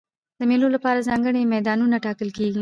د مېلو له پاره ځانګړي میدانونه ټاکل کېږي.